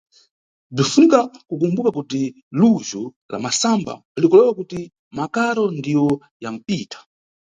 Bzinʼfunika kukumbuka kuti lujhu la masamba likulewa kuti makaro ndiyo yamʼpita.